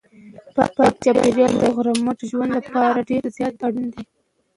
پاک چاپیریال د روغ رمټ ژوند لپاره ډېر زیات اړین دی.